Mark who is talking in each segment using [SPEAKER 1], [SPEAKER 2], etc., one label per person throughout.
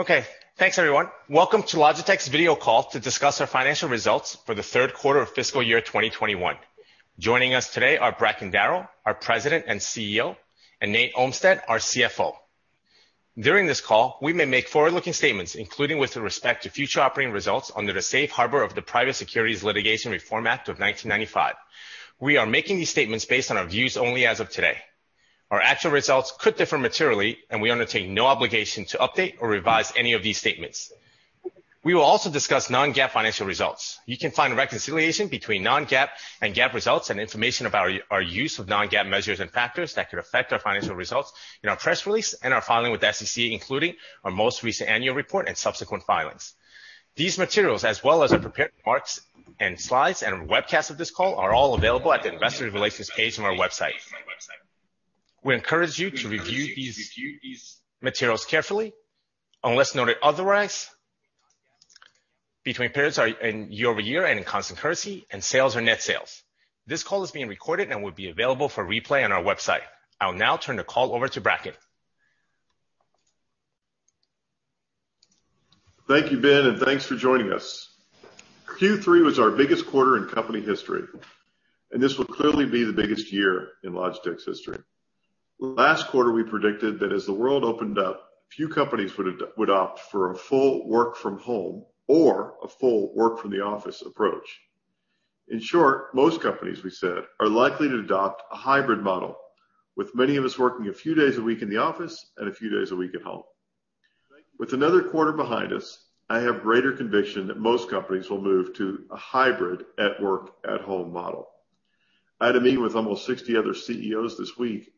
[SPEAKER 1] Okay. Thanks everyone. Welcome to Logitech's video call to discuss our financial results for the third quarter of fiscal year 2021. Joining us today are Bracken Darrell, our President and CEO, and Nate Olmstead, our CFO. During this call, we may make forward-looking statements, including with respect to future operating results under the safe harbor of the Private Securities Litigation Reform Act of 1995. We are making these statements based on our views only as of today. Our actual results could differ materially, and we undertake no obligation to update or revise any of these statements. We will also discuss non-GAAP financial results. You can find a reconciliation between non-GAAP and GAAP results and information about our use of non-GAAP measures and factors that could affect our financial results in our press release and our filing with the SEC, including our most recent annual report and subsequent filings. These materials, as well as our prepared remarks and slides and webcast of this call, are all available at the investor relations page on our website. We encourage you to review these materials carefully. Unless noted otherwise, between periods are in year-over-year and in constant currency, and sales are net sales. This call is being recorded and will be available for replay on our website. I'll now turn the call over to Bracken.
[SPEAKER 2] Thank you, Ben, and thanks for joining us. Q3 was our biggest quarter in company history. This will clearly be the biggest year in Logitech's history. Last quarter, we predicted that as the world opened up, few companies would opt for a full work from home or a full work from the office approach. In short, most companies, we said, are likely to adopt a hybrid model, with many of us working a few days a week in the office and a few days a week at home. With another quarter behind us, I have greater conviction that most companies will move to a hybrid at work, at home model. I had a meeting with almost 60 other CEOs this week.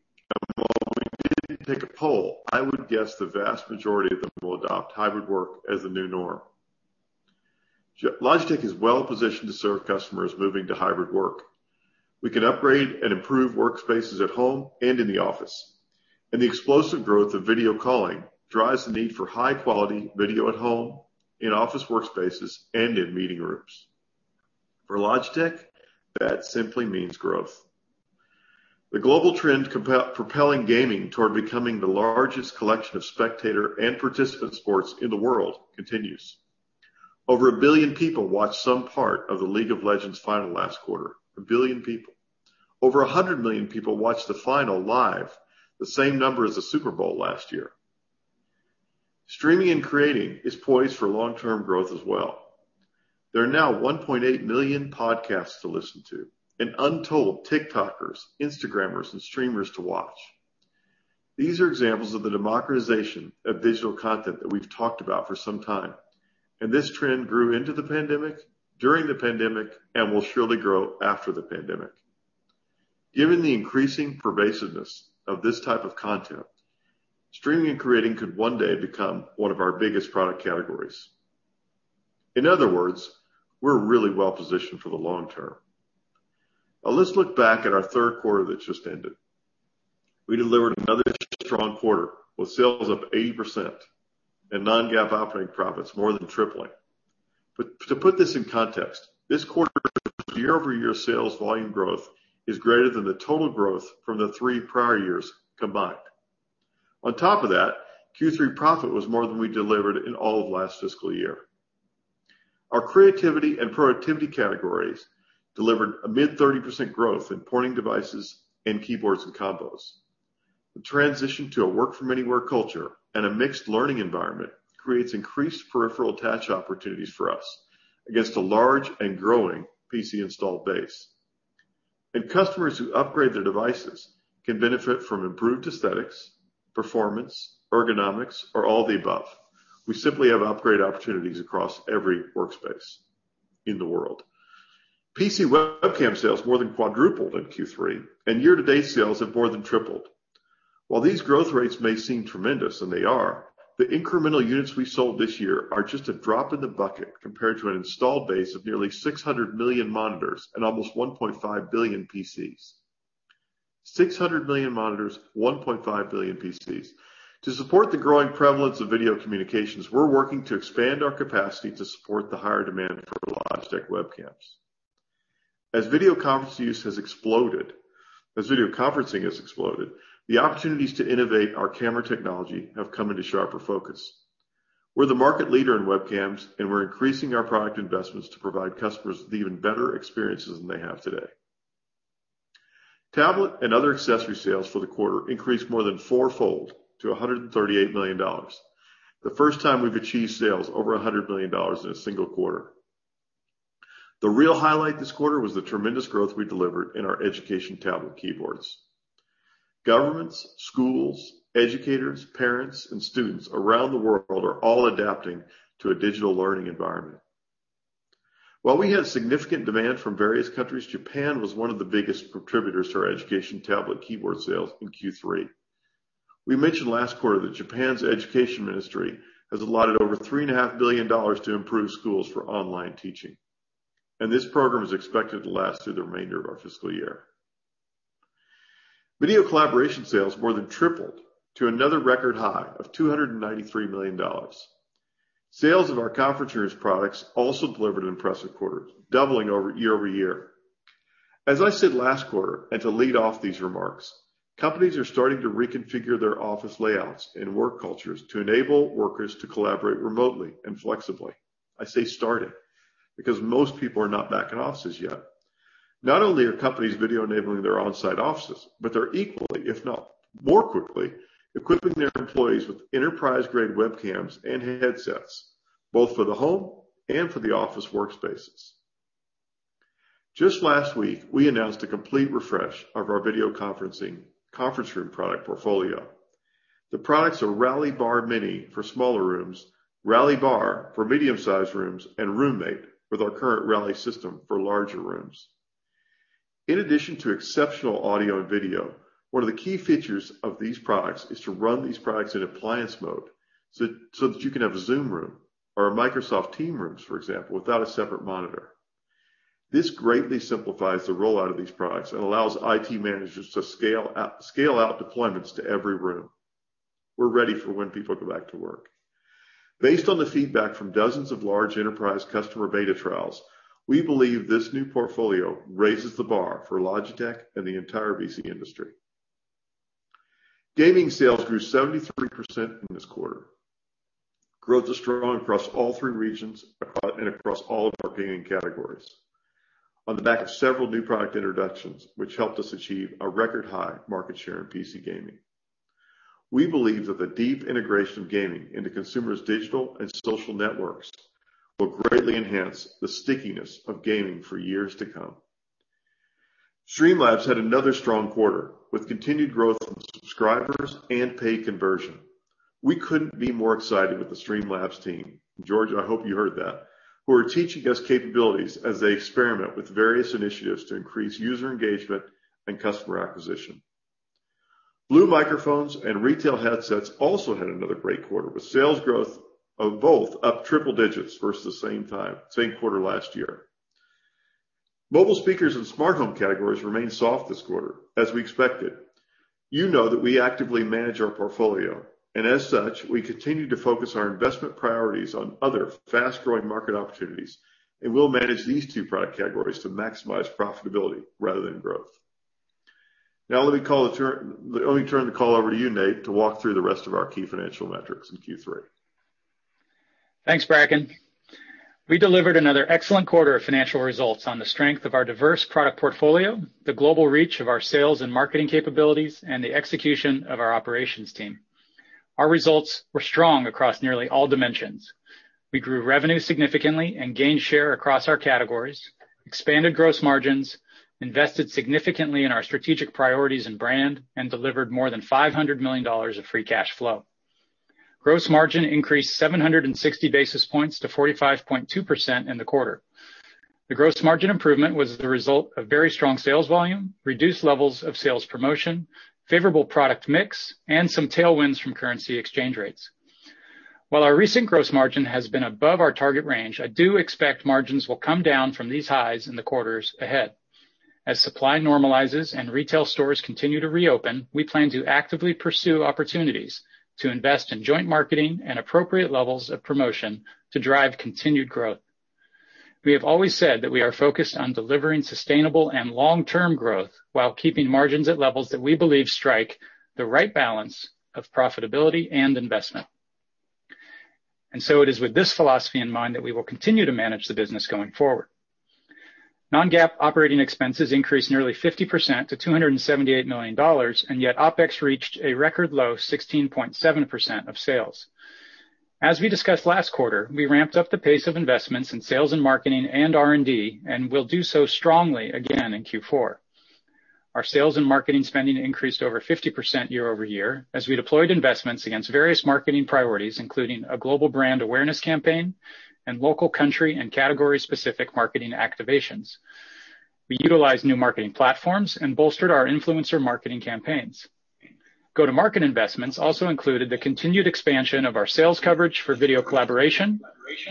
[SPEAKER 2] Although we didn't take a poll, I would guess the vast majority of them will adopt hybrid work as the new norm. Logitech is well-positioned to serve customers moving to hybrid work. We can upgrade and improve workspaces at home and in the office, and the explosive growth of video calling drives the need for high-quality video at home, in office workspaces, and in meeting rooms. For Logitech, that simply means growth. The global trend propelling gaming toward becoming the largest collection of spectator and participant sports in the world continues. Over 1 billion people watched some part of the League of Legends final last quarter. 1 billion people. Over 100 million people watched the final live, the same number as the Super Bowl last year. Streaming and creating is poised for long-term growth as well. There are now 1.8 million podcasts to listen to and untold TikTokers, Instagrammers, and streamers to watch. These are examples of the democratization of digital content that we've talked about for some time, and this trend grew into the pandemic, during the pandemic, and will surely grow after the pandemic. Given the increasing pervasiveness of this type of content, streaming and creating could one day become one of our biggest product categories. In other words, we're really well-positioned for the long term. Now let's look back at our third quarter that's just ended. We delivered another strong quarter, with sales up 80% and non-GAAP operating profits more than tripling. To put this in context, this quarter year-over-year sales volume growth is greater than the total growth from the three prior years combined. On top of that, Q3 profit was more than we delivered in all of last fiscal year. Our Creativity and Productivity categories delivered a mid 30% growth in pointing devices and keyboards and combos. The transition to a work-from-anywhere culture and a mixed learning environment creates increased peripheral attach opportunities for us against a large and growing PC installed base. Customers who upgrade their devices can benefit from improved aesthetics, performance, ergonomics, or all the above. We simply have upgrade opportunities across every workspace in the world. PC webcam sales more than quadrupled in Q3, year-to-date sales have more than tripled. While these growth rates may seem tremendous, they are, the incremental units we sold this year are just a drop in the bucket compared to an installed base of nearly 600 million monitors and almost 1.5 billion PCs. 600 million monitors, 1.5 billion PCs. To support the growing prevalence of video communications, we're working to expand our capacity to support the higher demand for Logitech webcams. As video conferencing has exploded, the opportunities to innovate our camera technology have come into sharper focus. We're the market leader in webcams, we're increasing our product investments to provide customers with even better experiences than they have today. Tablet and other accessory sales for the quarter increased more than fourfold to $138 million. The first time we've achieved sales over $100 million in a single quarter. The real highlight this quarter was the tremendous growth we delivered in our education tablet keyboards. Governments, schools, educators, parents, and students around the world are all adapting to a digital learning environment. While we had significant demand from various countries, Japan was one of the biggest contributors to our education tablet keyboard sales in Q3. We mentioned last quarter that Japan's education ministry has allotted over three and a half billion dollars to improve schools for online teaching. This program is expected to last through the remainder of our fiscal year. Video collaboration sales more than tripled to another record high of $293 million. Sales of our conference rooms products also delivered an impressive quarter, doubling year-over-year. As I said last quarter, to lead off these remarks, companies are starting to reconfigure their office layouts and work cultures to enable workers to collaborate remotely and flexibly. I say starting, because most people are not back in offices yet. Not only are companies video-enabling their on-site offices, they're equally, if not more quickly, equipping their employees with enterprise-grade webcams and headsets, both for the home and for the office workspaces. Just last week, we announced a complete refresh of our video conferencing conference room product portfolio. The products are Rally Bar Mini for smaller rooms, Rally Bar for medium-sized rooms, and RoomMate with our current Rally system for larger rooms. In addition to exceptional audio and video, one of the key features of these products is to run these products in appliance mode, so that you can have a Zoom room or a Microsoft Teams Rooms, for example, without a separate monitor. This greatly simplifies the rollout of these products and allows IT managers to scale out deployments to every room. We're ready for when people go back to work. Based on the feedback from dozens of large enterprise customer beta trials, we believe this new portfolio raises the bar for Logitech and the entire VC industry. Gaming sales grew 73% in this quarter. Growth is strong across all three regions and across all of our gaming categories, on the back of several new product introductions, which helped us achieve a record-high market share in PC gaming. We believe that the deep integration of gaming into consumers' digital and social networks will greatly enhance the stickiness of gaming for years to come. Streamlabs had another strong quarter, with continued growth in subscribers and paid conversion. We couldn't be more excited with the Streamlabs team, George, I hope you heard that, who are teaching us capabilities as they experiment with various initiatives to increase user engagement and customer acquisition. Blue Microphones and Retail headsets also had another great quarter, with sales growth of both up triple digits versus the same quarter last year. Mobile speakers and smart home categories remained soft this quarter, as we expected. You know that we actively manage our portfolio, and as such, we continue to focus our investment priorities on other fast-growing market opportunities, and we'll manage these two product categories to maximize profitability rather than growth. Let me turn the call over to you, Nate, to walk through the rest of our key financial metrics in Q3.
[SPEAKER 3] Thanks, Bracken. We delivered another excellent quarter of financial results on the strength of our diverse product portfolio, the global reach of our sales and marketing capabilities, and the execution of our operations team. Our results were strong across nearly all dimensions. We grew revenue significantly and gained share across our categories, expanded gross margins, invested significantly in our strategic priorities and brand, and delivered more than $500 million of free cash flow. Gross margin increased 760 basis points to 45.2% in the quarter. The gross margin improvement was the result of very strong sales volume, reduced levels of sales promotion, favorable product mix, and some tailwinds from currency exchange rates. While our recent gross margin has been above our target range, I do expect margins will come down from these highs in the quarters ahead. As supply normalizes and retail stores continue to reopen, we plan to actively pursue opportunities to invest in joint marketing and appropriate levels of promotion to drive continued growth. We have always said that we are focused on delivering sustainable and long-term growth while keeping margins at levels that we believe strike the right balance of profitability and investment. It is with this philosophy in mind that we will continue to manage the business going forward. non-GAAP operating expenses increased nearly 50% to $278 million, and yet, OpEx reached a record low 16.7% of sales. As we discussed last quarter, we ramped up the pace of investments in sales and marketing and R&D, and we'll do so strongly again in Q4. Our sales and marketing spending increased over 50% year-over-year as we deployed investments against various marketing priorities, including a global brand awareness campaign and local country and category-specific marketing activations. We utilized new marketing platforms and bolstered our influencer marketing campaigns. Go-to-market investments also included the continued expansion of our sales coverage for video collaboration,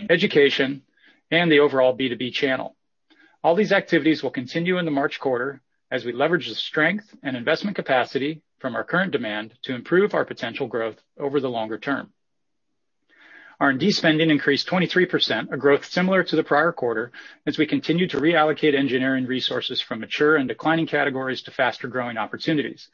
[SPEAKER 3] education, and the overall B2B channel. All these activities will continue in the March quarter as we leverage the strength and investment capacity from our current demand to improve our potential growth over the longer term. R&D spending increased 23%, a growth similar to the prior quarter, as we continue to reallocate engineering resources from mature and declining categories to faster-growing opportunities.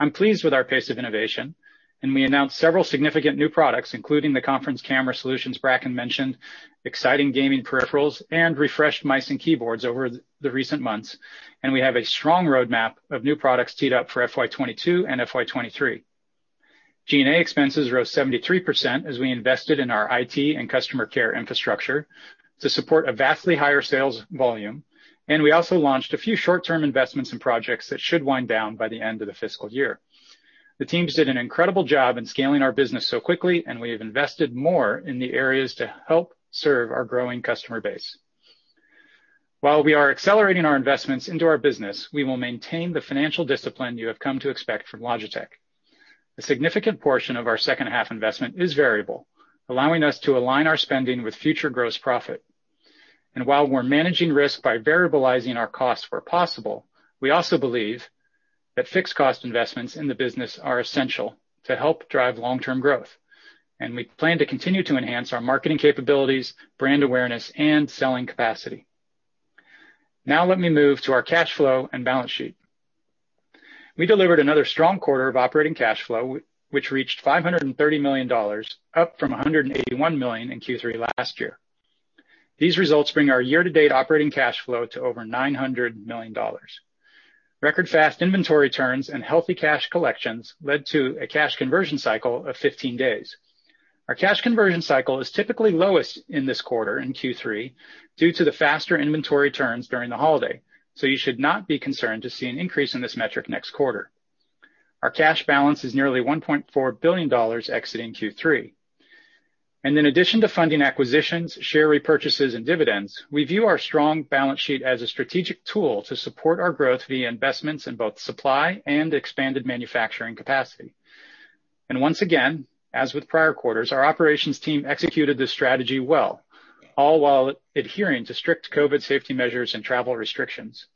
[SPEAKER 3] I'm pleased with our pace of innovation, and we announced several significant new products, including the conference camera solutions Bracken mentioned, exciting gaming peripherals, and refreshed mice and keyboards over the recent months, and we have a strong roadmap of new products teed up for FY 2022 and FY 2023. G&A expenses rose 73% as we invested in our IT and customer care infrastructure to support a vastly higher sales volume, and we also launched a few short-term investments and projects that should wind down by the end of the fiscal year. The teams did an incredible job in scaling our business so quickly, and we have invested more in the areas to help serve our growing customer base. While we are accelerating our investments into our business, we will maintain the financial discipline you have come to expect from Logitech. A significant portion of our second half investment is variable, allowing us to align our spending with future gross profit. While we're managing risk by variabilizing our costs where possible, we also believe that fixed cost investments in the business are essential to help drive long-term growth. We plan to continue to enhance our marketing capabilities, brand awareness, and selling capacity. Now let me move to our cash flow and balance sheet. We delivered another strong quarter of operating cash flow, which reached $530 million, up from $181 million in Q3 last year. These results bring our year-to-date operating cash flow to over $900 million. Record fast inventory turns and healthy cash collections led to a cash conversion cycle of 15 days. Our cash conversion cycle is typically lowest in this quarter, in Q3, due to the faster inventory turns during the holiday, so you should not be concerned to see an increase in this metric next quarter. Our cash balance is nearly $1.4 billion exiting Q3. In addition to funding acquisitions, share repurchases, and dividends, we view our strong balance sheet as a strategic tool to support our growth via investments in both supply and expanded manufacturing capacity. Once again, as with prior quarters, our operations team executed this strategy well, all while adhering to strict COVID safety measures and travel restrictions.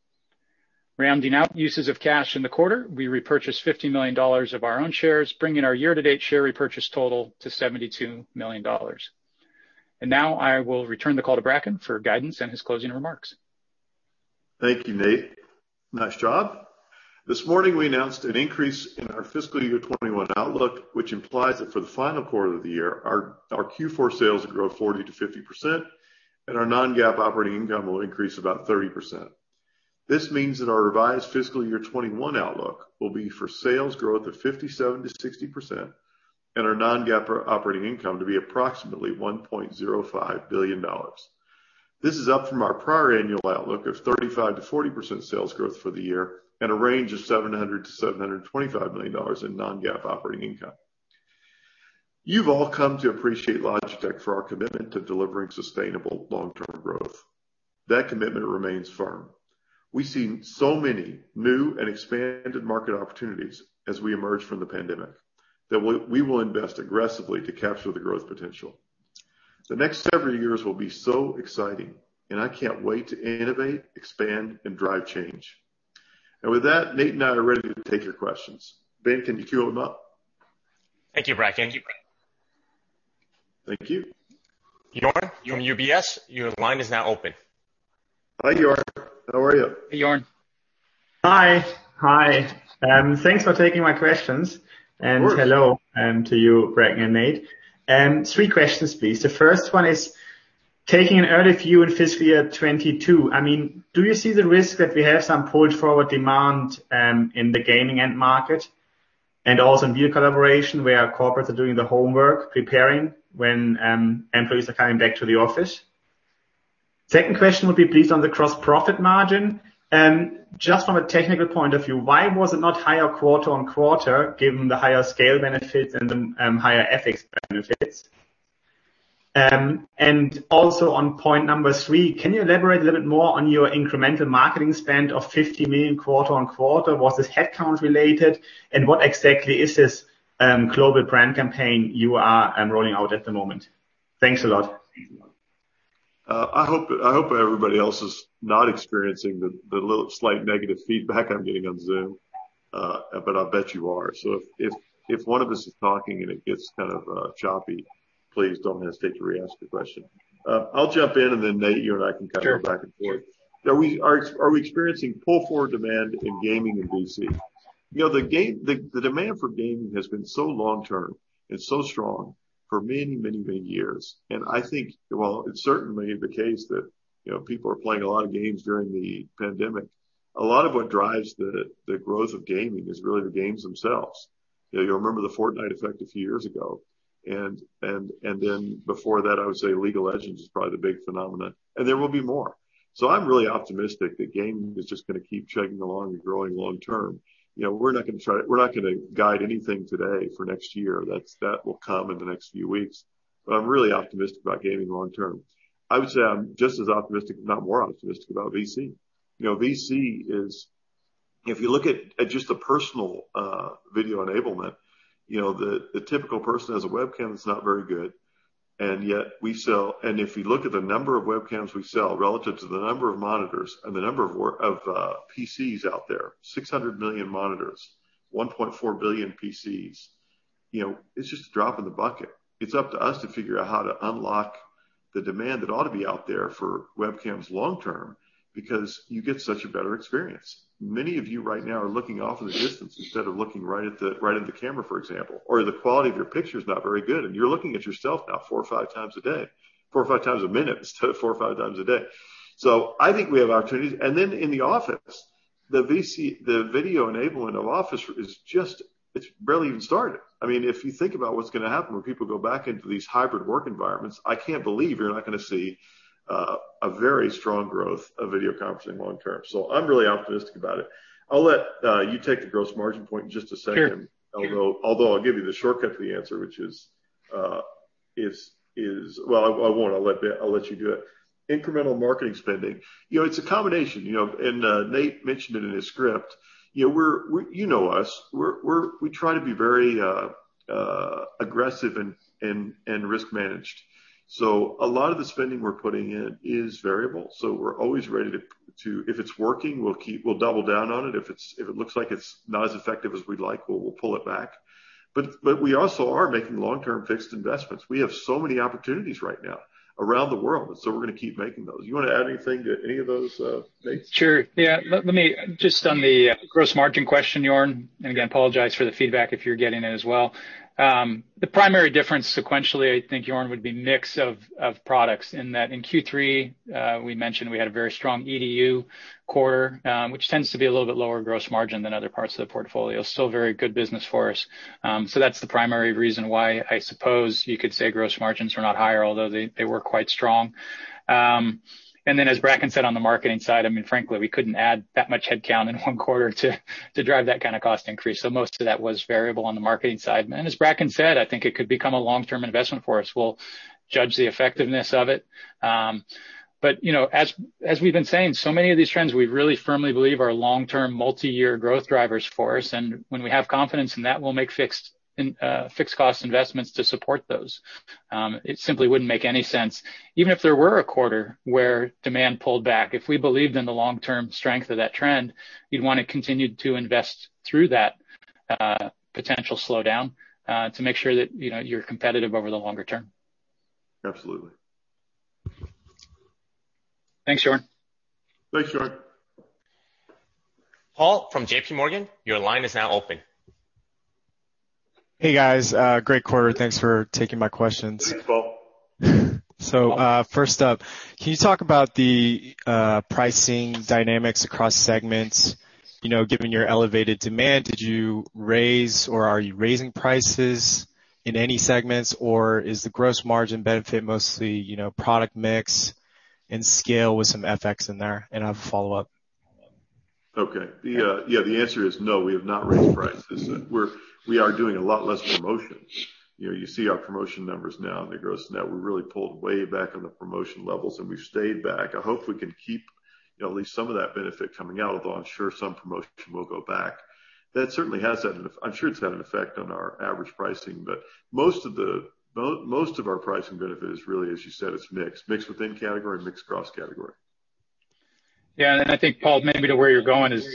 [SPEAKER 3] Rounding out uses of cash in the quarter, we repurchased $50 million of our own shares, bringing our year-to-date share repurchase total to $72 million. Now I will return the call to Bracken for guidance and his closing remarks.
[SPEAKER 2] Thank you, Nate. Nice job. This morning, we announced an increase in our FY 2021 outlook, which implies that for the final quarter of the year, our Q4 sales will grow 40%-50%, and our non-GAAP operating income will increase about 30%. This means that our revised FY 2021 outlook will be for sales growth of 57%-60%, and our non-GAAP operating income to be approximately $1.05 billion. This is up from our prior annual outlook of 35%-40% sales growth for the year and a range of $700 million-$725 million in non-GAAP operating income. You've all come to appreciate Logitech for our commitment to delivering sustainable long-term growth. That commitment remains firm. We see so many new and expanded market opportunities as we emerge from the pandemic that we will invest aggressively to capture the growth potential. The next several years will be so exciting, and I can't wait to innovate, expand, and drive change. With that, Nate and I are ready to take your questions. Ben, can you queue them up?
[SPEAKER 1] Thank you, Bracken.
[SPEAKER 2] Thank you.
[SPEAKER 1] Joern from UBS, your line is now open.
[SPEAKER 2] Hi, Joern. How are you?
[SPEAKER 3] Hey, Joern.
[SPEAKER 4] Hi. Thanks for taking my questions.
[SPEAKER 2] Of course.
[SPEAKER 4] Hello to you, Bracken and Nate. Three questions, please. The first one is, taking an early view in FY 2022, do you see the risk that we have some pull-forward demand in the gaming end market, and also in video collaboration, where our corporates are doing the homework, preparing when employees are coming back to the office? Second question would be, please, on the gross profit margin. Just from a technical point of view, why was it not higher quarter-over-quarter, given the higher scale benefits and the higher OpEx benefits? Also, on point number three, can you elaborate a little bit more on your incremental marketing spend of 50 million quarter-over-quarter? Was this headcount-related? What exactly is this global brand campaign you are rolling out at the moment? Thanks a lot.
[SPEAKER 2] I hope everybody else is not experiencing the little slight negative feedback I'm getting on Zoom. I bet you are. If one of us is talking and it gets kind of choppy, please don't hesitate to re-ask the question. I'll jump in. Nate, you and I can kind of.
[SPEAKER 3] Sure.
[SPEAKER 2] go back and forth. Are we experiencing pull-forward demand in gaming and VC? The demand for gaming has been so long-term and so strong for many years, and I think, while it's certainly the case that people are playing a lot of games during the pandemic, a lot of what drives the growth of gaming is really the games themselves. You'll remember the Fortnite effect a few years ago, and then before that, I would say League of Legends was probably the big phenomenon, and there will be more. I'm really optimistic that gaming is just going to keep chugging along and growing long term. We're not going to guide anything today for next year, that will come in the next few weeks, but I'm really optimistic about gaming long term. I would say I'm just as optimistic, if not more optimistic, about VC. VC is, if you look at just the personal video enablement, the typical person has a webcam that's not very good, and if you look at the number of webcams we sell relative to the number of monitors and the number of PCs out there, 600 million monitors, 1.4 billion PCs, it's just a drop in the bucket. It's up to us to figure out how to unlock the demand that ought to be out there for webcams long term, because you get such a better experience. Many of you right now are looking off in the distance instead of looking right at the camera, for example, or the quality of your picture's not very good, and you're looking at yourself now four or five times a day. Four or five times a minute instead of four or five times a day. I think we have opportunities. In the office, the video enablement of office is just barely even started. If you think about what's going to happen when people go back into these hybrid work environments, I can't believe you're not going to see a very strong growth of video conferencing long term. I'm really optimistic about it. I'll let you take the gross margin point in just a second.
[SPEAKER 3] Sure.
[SPEAKER 2] I'll give you the shortcut to the answer, which is, well, I won't, I'll let you do it. Incremental marketing spending. It's a combination, and Nate mentioned it in his script. You know us, we try to be very aggressive and risk managed. A lot of the spending we're putting in is variable. We're always ready to, if it's working, we'll double down on it. If it looks like it's not as effective as we'd like, we'll pull it back. We also are making long-term fixed investments. We have so many opportunities right now around the world, and so we're going to keep making those. You want to add anything to any of those, Nate?
[SPEAKER 3] Sure. Yeah. Let me, just on the gross margin question, Joern. Again, apologize for the feedback if you're getting it as well. The primary difference sequentially, I think, Joern, would be mix of products in that in Q3, we mentioned we had a very strong EDU quarter, which tends to be a little bit lower gross margin than other parts of the portfolio. Still very good business for us. That's the primary reason why I suppose you could say gross margins were not higher, although they were quite strong. Then as Bracken said on the marketing side, frankly, we couldn't add that much headcount in one quarter to drive that kind of cost increase. Most of that was variable on the marketing side. As Bracken said, I think it could become a long-term investment for us. We'll judge the effectiveness of it. As we've been saying, so many of these trends we really firmly believe are long-term, multi-year growth drivers for us. When we have confidence in that, we'll make fixed cost investments to support those. It simply wouldn't make any sense, even if there were a quarter where demand pulled back, if we believed in the long-term strength of that trend, you'd want to continue to invest through that potential slowdown, to make sure that you're competitive over the longer term.
[SPEAKER 2] Absolutely.
[SPEAKER 3] Thanks, Joern.
[SPEAKER 2] Thanks, Joern.
[SPEAKER 1] Paul from JPMorgan, your line is now open.
[SPEAKER 5] Hey, guys, great quarter. Thanks for taking my questions.
[SPEAKER 2] Thanks, Paul.
[SPEAKER 5] First up, can you talk about the pricing dynamics across segments? Given your elevated demand, did you raise or are you raising prices in any segments, or is the gross margin benefit mostly product mix and scale with some FX in there? And I have a follow-up.
[SPEAKER 2] Okay. Yeah. The answer is no, we have not raised prices. We are doing a lot less promotions. You see our promotion numbers now, the gross now. We really pulled way back on the promotion levels, and we've stayed back. I hope we can keep at least some of that benefit coming out, although I'm sure some promotion will go back. That certainly, I'm sure it's had an effect on our average pricing, but most of our pricing benefit is really, as you said, it's mix. Mix within category, mix cross category.
[SPEAKER 3] Yeah, I think, Paul, maybe to where you're going is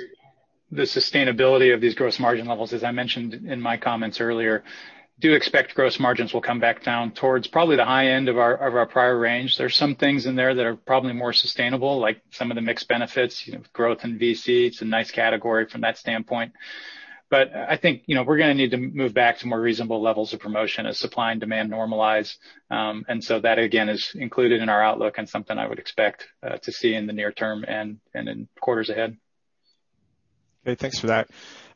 [SPEAKER 3] the sustainability of these gross margin levels. As I mentioned in my comments earlier, do expect gross margins will come back down towards probably the high end of our prior range. There's some things in there that are probably more sustainable, like some of the mix benefits, growth in VC. It's a nice category from that standpoint. I think we're going to need to move back to more reasonable levels of promotion as supply and demand normalize. That, again, is included in our outlook and something I would expect to see in the near term and in quarters ahead.
[SPEAKER 5] Okay, thanks for that.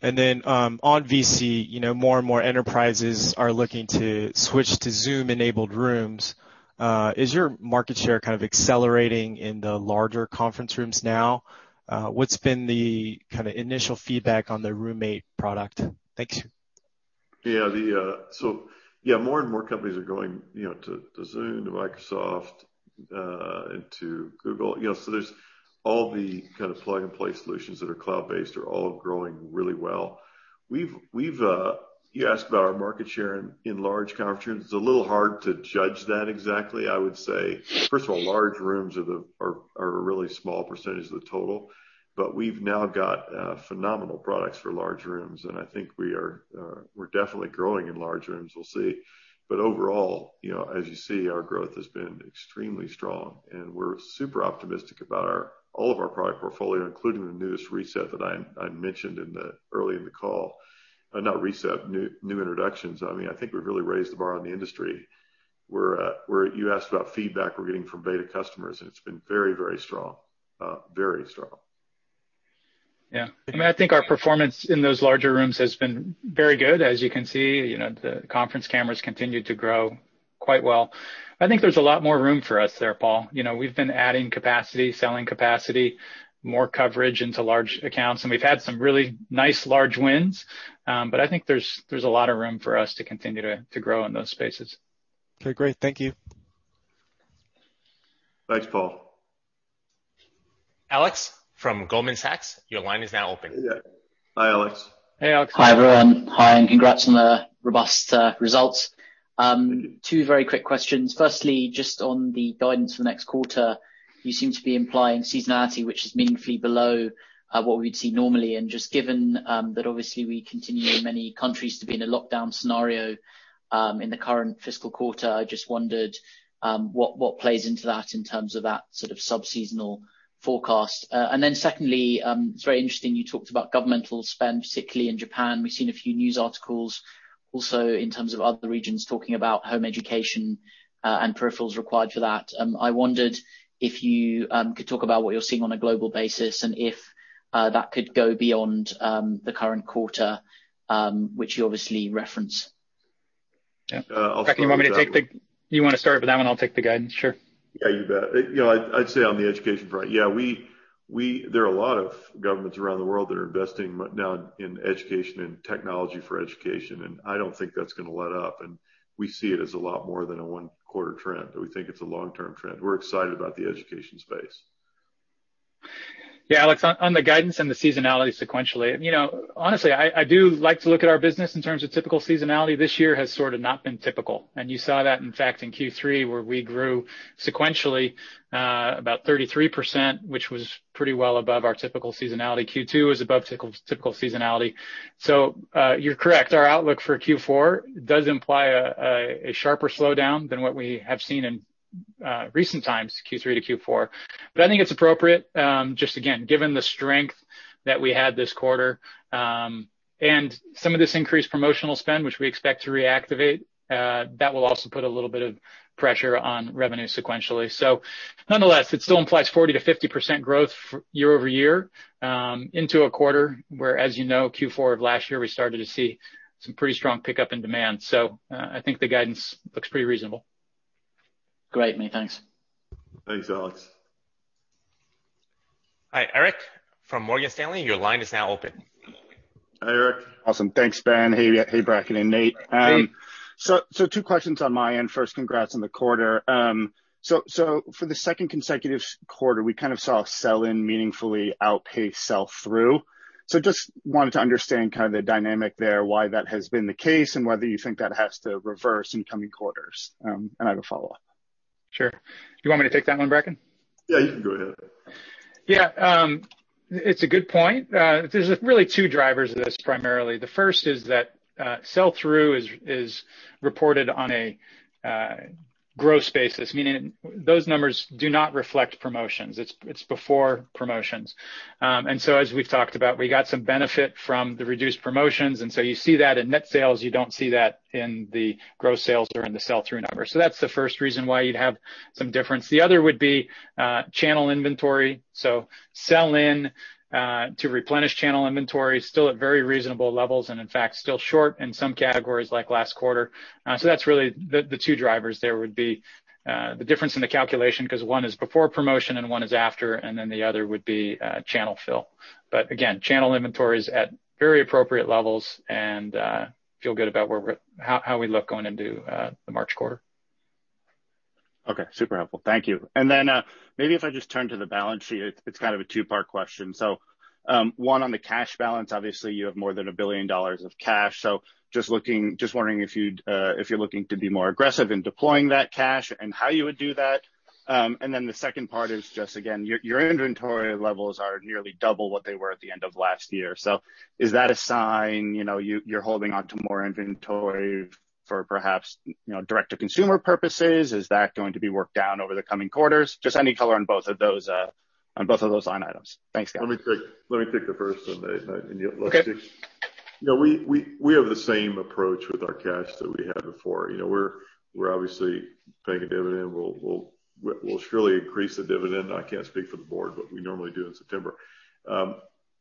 [SPEAKER 5] On VC, more and more enterprises are looking to switch to Zoom-enabled rooms. Is your market share kind of accelerating in the larger conference rooms now? What's been the kind of initial feedback on the RoomMate product? Thanks.
[SPEAKER 2] Yeah, more and more companies are going to Zoom, to Microsoft, and to Google. There's all the kind of plug-and-play solutions that are cloud-based are all growing really well. You asked about our market share in large conference rooms. It's a little hard to judge that exactly. I would say, first of all, large rooms are a really small percentage of the total. We've now got phenomenal products for large rooms, and I think we're definitely growing in large rooms. We'll see. Overall, as you see, our growth has been extremely strong and we're super optimistic about all of our product portfolio, including the newest reset that I mentioned early in the call. Not reset, new introductions. I think we've really raised the bar on the industry. You asked about feedback we're getting from beta customers, and it's been very, very strong. Very strong.
[SPEAKER 3] Yeah. I think our performance in those larger rooms has been very good. As you can see, the conference cameras continue to grow quite well. I think there's a lot more room for us there, Paul. We've been adding capacity, selling capacity, more coverage into large accounts, and we've had some really nice large wins. I think there's a lot of room for us to continue to grow in those spaces.
[SPEAKER 5] Okay, great. Thank you.
[SPEAKER 2] Thanks, Paul.
[SPEAKER 1] Alex from Goldman Sachs, your line is now open.
[SPEAKER 2] Yeah. Hi, Alex.
[SPEAKER 3] Hey, Alex.
[SPEAKER 6] Hi, everyone. Hi, and congrats on the robust results. Two very quick questions. Firstly, just on the guidance for the next quarter, you seem to be implying seasonality, which is meaningfully below what we'd see normally. Just given that obviously we continue in many countries to be in a lockdown scenario in the current fiscal quarter, I just wondered what plays into that in terms of that sort of sub-seasonal forecast. Then secondly, it's very interesting you talked about governmental spend, particularly in Japan. We've seen a few news articles also in terms of other regions talking about home education and peripherals required for that. I wondered if you could talk about what you're seeing on a global basis and if that could go beyond the current quarter, which you obviously reference.
[SPEAKER 3] Yeah. Bracken, you want to start with that one? I'll take the guidance. Sure.
[SPEAKER 2] Yeah, you bet. I'd say on the education front, yeah, There are a lot of governments around the world that are investing now in education and technology for education, I don't think that's going to let up. We see it as a lot more than a one-quarter trend. We think it's a long-term trend. We're excited about the education space.
[SPEAKER 3] Yeah, Alex, on the guidance and the seasonality sequentially. Honestly, I do like to look at our business in terms of typical seasonality. This year has sort of not been typical. You saw that, in fact, in Q3, where we grew sequentially, about 33%, which was pretty well above our typical seasonality. Q2 was above typical seasonality. You're correct. Our outlook for Q4 does imply a sharper slowdown than what we have seen in recent times, Q3 to Q4. I think it's appropriate, just again, given the strength that we had this quarter. Some of this increased promotional spend, which we expect to reactivate, that will also put a little bit of pressure on revenue sequentially. Nonetheless, it still implies 40%-50% growth year-over-year into a quarter where, as you know, Q4 of last year, we started to see some pretty strong pickup in demand. I think the guidance looks pretty reasonable.
[SPEAKER 6] Great, mate. Thanks.
[SPEAKER 2] Thanks, Alex.
[SPEAKER 1] All right. Erik from Morgan Stanley, your line is now open.
[SPEAKER 2] Hi, Erik.
[SPEAKER 7] Awesome. Thanks, Ben. Hey, Bracken and Nate.
[SPEAKER 2] Hey.
[SPEAKER 7] Two questions on my end. First, congrats on the quarter. For the second consecutive quarter, we kind of saw sell-in meaningfully outpace sell-through. Just wanted to understand kind of the dynamic there, why that has been the case, and whether you think that has to reverse in coming quarters? I have a follow-up.
[SPEAKER 3] Sure. Do you want me to take that one, Bracken?
[SPEAKER 2] Yeah, you can go ahead.
[SPEAKER 3] Yeah. It's a good point. There's really two drivers of this primarily. The first is that sell-through is reported on a gross basis, meaning those numbers do not reflect promotions. It's before promotions. As we've talked about, we got some benefit from the reduced promotions, and so you see that in net sales. You don't see that in the gross sales or in the sell-through numbers. That's the first reason why you'd have some difference. The other would be channel inventory. Sell-in to replenish channel inventory is still at very reasonable levels and, in fact, still short in some categories like last quarter. That's really the two drivers there would be. The difference in the calculation, because one is before promotion and one is after, and then the other would be channel fill. Again, channel inventory is at very appropriate levels, and feel good about how we look going into the March quarter.
[SPEAKER 7] Okay. Super helpful. Thank you. Then, maybe if I just turn to the balance sheet, it's kind of a two-part question. One, on the cash balance, obviously you have more than $1 billion of cash. Just wondering if you're looking to be more aggressive in deploying that cash and how you would do that. Then the second part is just, again, your inventory levels are nearly double what they were at the end of last year. Is that a sign you're holding onto more inventory for perhaps direct to consumer purposes? Is that going to be worked down over the coming quarters? Just any color on both of those line items. Thanks, guys.
[SPEAKER 2] Let me take the first one, Nate.
[SPEAKER 3] Okay.
[SPEAKER 2] We have the same approach with our cash that we had before. We're obviously paying a dividend. We'll surely increase the dividend. I can't speak for the board. We normally do in September, kind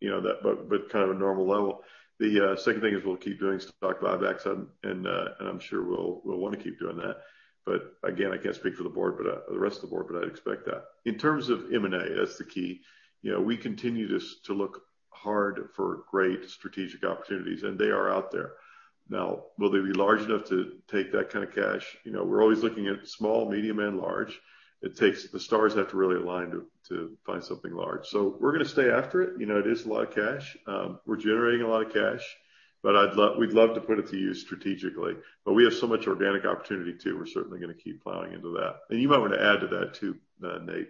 [SPEAKER 2] of a normal level. The second thing is we'll keep doing stock buybacks, and I'm sure we'll want to keep doing that. Again, I can't speak for the rest of the board, but I'd expect that. In terms of M&A, that's the key. We continue to look hard for great strategic opportunities, and they are out there. Now, will they be large enough to take that kind of cash? We're always looking at small, medium, and large. The stars have to really align to find something large. We're going to stay after it. It is a lot of cash. We're generating a lot of cash, but we'd love to put it to use strategically. We have so much organic opportunity too. We're certainly going to keep plowing into that. You might want to add to that, too, Nate.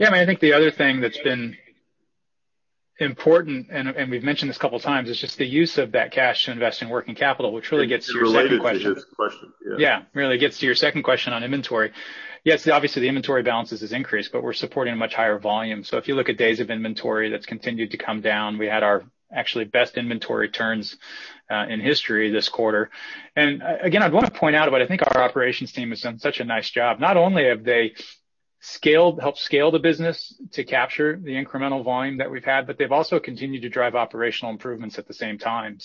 [SPEAKER 3] I think the other thing that's been important, and we've mentioned this a couple of times, is just the use of that cash to invest in working capital, which really gets to your second question.
[SPEAKER 2] It related to his question. Yeah.
[SPEAKER 3] Yeah. Really gets to your second question on inventory. Yes, obviously, the inventory balances has increased, but we're supporting a much higher volume. If you look at days of inventory, that's continued to come down. We had our actually best inventory turns in history this quarter. Again, I'd want to point out what I think our operations team has done such a nice job. Not only have they helped scale the business to capture the incremental volume that we've had, but they've also continued to drive operational improvements at the same time.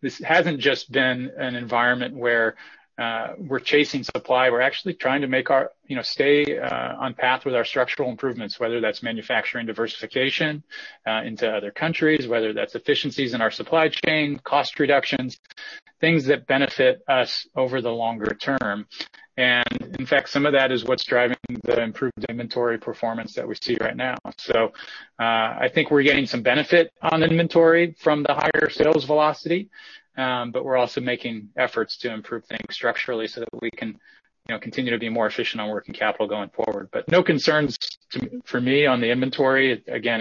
[SPEAKER 3] This hasn't just been an environment where we're chasing supply. We're actually trying to stay on path with our structural improvements, whether that's manufacturing diversification into other countries, whether that's efficiencies in our supply chain, cost reductions, things that benefit us over the longer term. In fact, some of that is what's driving the improved inventory performance that we see right now. I think we're getting some benefit on inventory from the higher sales velocity, but we're also making efforts to improve things structurally so that we can continue to be more efficient on working capital going forward. No concerns for me on the inventory. Again,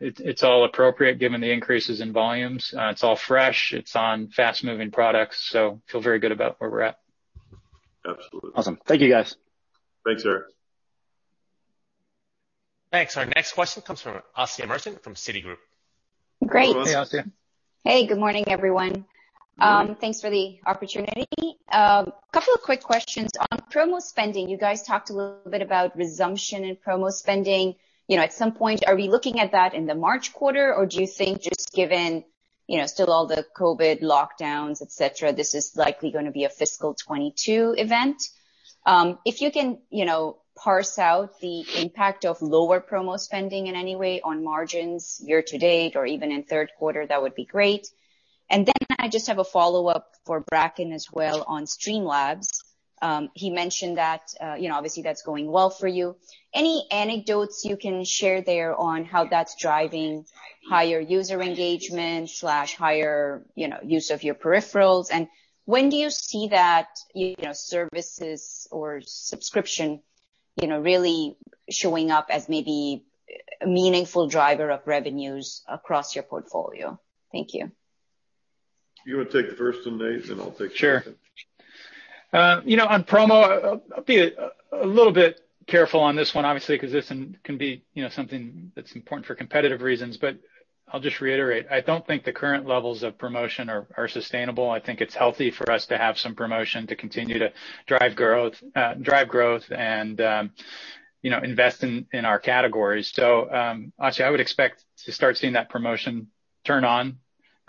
[SPEAKER 3] it's all appropriate given the increases in volumes. It's all fresh. It's on fast-moving products. Feel very good about where we're at.
[SPEAKER 2] Absolutely.
[SPEAKER 7] Awesome. Thank you, guys.
[SPEAKER 2] Thanks, Erik.
[SPEAKER 1] Thanks. Our next question comes from Asiya Merchant from Citigroup.
[SPEAKER 8] Great.
[SPEAKER 3] Hey, Asiya.
[SPEAKER 8] Hey, good morning, everyone.
[SPEAKER 2] Good morning.
[SPEAKER 8] Thanks for the opportunity. Couple of quick questions. On promo spending, you guys talked a little bit about resumption in promo spending. At some point, are we looking at that in the March quarter, or do you think just given all the COVID lockdowns, et cetera. This is likely going to be a fiscal 2022 event. If you can parse out the impact of lower promo spending in any way on margins year-to-date or even in third quarter, that would be great. I just have a follow-up for Bracken as well on Streamlabs. He mentioned that obviously that's going well for you. Any anecdotes you can share there on how that's driving higher user engagement/higher use of your peripherals? When do you see that services or subscription really showing up as maybe a meaningful driver of revenues across your portfolio? Thank you.
[SPEAKER 2] You want to take the first one, Nate, then I'll take the second?
[SPEAKER 3] Sure. On promo, I'll be a little bit careful on this one, obviously, because this can be something that's important for competitive reasons. I'll just reiterate, I don't think the current levels of promotion are sustainable. I think it's healthy for us to have some promotion to continue to drive growth and invest in our categories. Asiya, I would expect to start seeing that promotion turn on